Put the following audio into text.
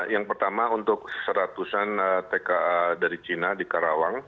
yang pertama untuk seratusan tka dari cina di karawang